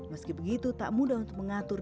meski begitu tak mudah untuk mengatur